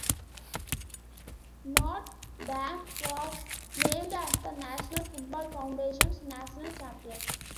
Notre Dame was named as the National Football Foundation's national champion.